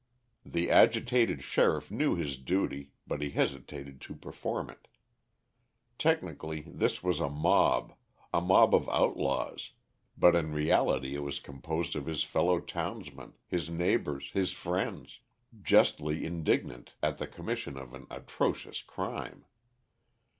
The agitated sheriff knew his duty, but he hesitated to perform it. Technically, this was a mob a mob of outlaws; but in reality it was composed of his fellow townsmen, his neighbours, his friends justly indignant at the commission of an atrocious crime.